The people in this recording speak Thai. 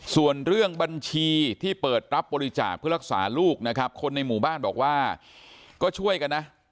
ส่วนเรื่องบัญชีที่เปิดรับบริจาคเพื่อรักษาลูกนะครับคนในหมู่บ้านบอกว่าก็ช่วยกันนะ